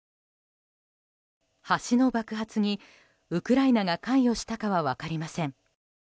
橋の爆発にウクライナが関与したかは分かりません。